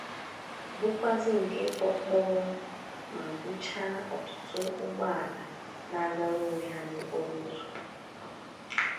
bụkwazị nke tokpòrò ma buchara ọtụtụ ụgbọala na-agara onwe ha n'okporoụzọ